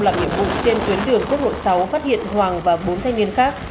làm nhiệm vụ trên tuyến đường quốc lộ sáu phát hiện hoàng và bốn thanh niên khác